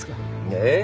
ええ。